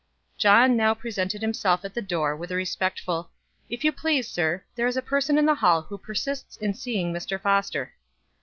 John now presented himself at the door with a respectful, "If you please, sir, there is a person in the hall who persists in seeing Mr. Foster."